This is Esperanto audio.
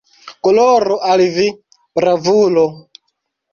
Gloro al vi, bravulo!